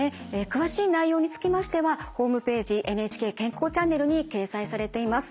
詳しい内容につきましてはホームページ「ＮＨＫ健康チャンネル」に掲載されています。